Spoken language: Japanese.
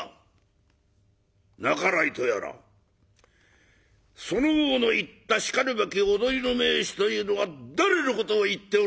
半井とやらそのほうの言ったしかるべき踊りの名手というのは誰のことを言っておるのだ！